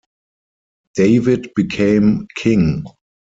David became king.